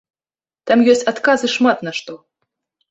Там ёсць адказы шмат на што.